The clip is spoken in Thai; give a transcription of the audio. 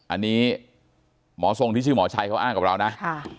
อันนี้หมอทรงที่ชื่อหมอชัยเขาอ้างกับเรานะ